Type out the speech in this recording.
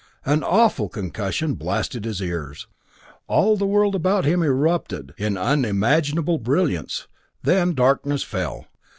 An awful concussion blasted his ears. All the world about him erupted in unimaginable brilliance; then darkness fell.